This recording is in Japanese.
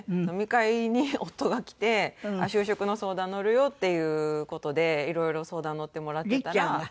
飲み会に夫が来て就職の相談乗るよっていう事でいろいろ相談に乗ってもらってたら。